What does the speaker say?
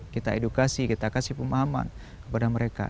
kita edukasi kita kasih pemahaman kepada mereka